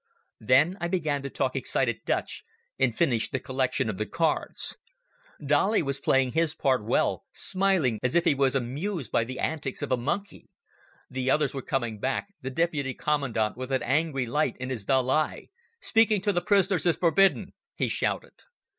Then I began to talk excited Dutch and finished the collection of the cards. Dolly was playing his part well, smiling as if he was amused by the antics of a monkey. The others were coming back, the deputy commandant with an angry light in his dull eye. "Speaking to the prisoners is forbidden," he shouted.